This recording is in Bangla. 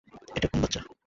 এটা কোন বাচ্চা?